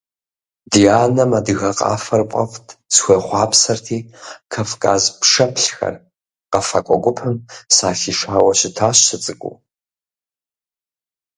Ди анэм адыгэ къафэр фӀэфӀт, схуехъуапсэрти, «Кавказ пшэплъхэр» къэфакӀуэ гупым сахишауэ щытащ сыцӀыкӀуу.